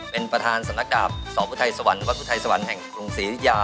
เป็นประธานสำนักดาบสภุทัยสวรรค์วัฒนภุทัยสวรรค์แห่งภูมิศรีฤทยา